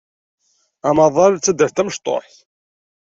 Amaḍal d taddart tamecṭuḥt.